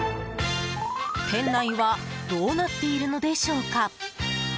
店内はどうなっているのでしょうか？